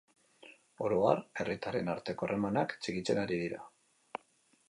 Oro har, herritarren arteko harremanak txikitzen ari dira.